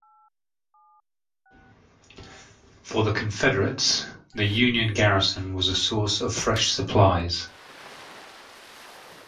For the Confederates, the Union garrison was a source of fresh supplies.